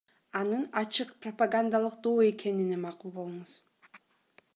Анын ачык пропагандалык доо экенине макул болуңуз.